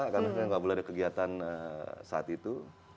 karena nggak boleh ada kegiatan saat itu